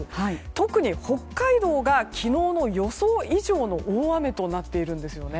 特に北海道が昨日の予想以上の大雨となっているんですよね。